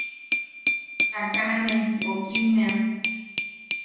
Sakaʼane gokimmea.